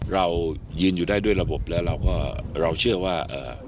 เรายืนอยู่ได้ด้วยระบบแล้วเราก็เราเชื่อว่า